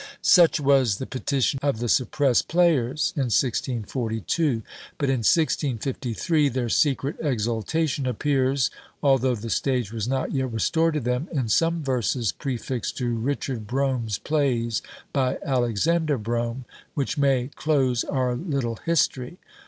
Such was the petition of the suppressed players in 1642; but, in 1653, their secret exultation appears, although the stage was not yet restored to them, in some verses prefixed to RICHARD BROME'S Plays, by ALEXANDER BROME, which may close our little history.